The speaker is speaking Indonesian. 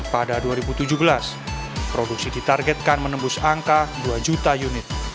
pada dua ribu tujuh belas produksi ditargetkan menembus angka dua juta unit